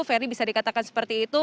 ferry bisa dikatakan seperti itu